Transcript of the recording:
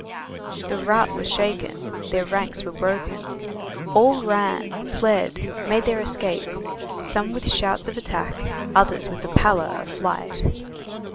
The rout was shaken, their ranks were broken, all ran, fled, made their escape, some with shouts of attack, others with the pallor of flight.